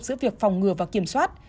giữa việc phòng ngừa và kiểm soát